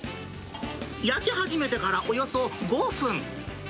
焼き始めてからおよそ５分。